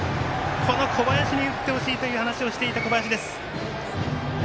この小林に打ってほしいという話をしていた小林です。